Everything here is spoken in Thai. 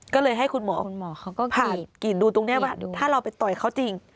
ก็เลยให้คุณหมอผ่านกรีดดูตรงนี้ว่าถ้าเราไปต่อยเขาจริง